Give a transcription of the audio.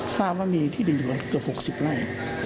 ทราบว่ามีที่ดินอยู่เกือบ๖๐ไร่